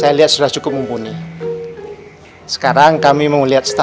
saya solamente hanya ada unas bimbit gaya